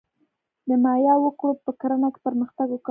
د مایا وګړو په کرنه کې پرمختګ وکړ.